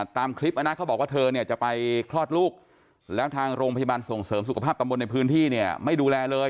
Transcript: ตามคลิปนะเขาบอกว่าเธอเนี่ยจะไปคลอดลูกแล้วทางโรงพยาบาลส่งเสริมสุขภาพตำบลในพื้นที่เนี่ยไม่ดูแลเลย